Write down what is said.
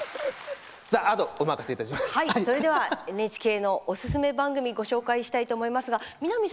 それではＮＨＫのおすすめ番組を紹介したいと思います。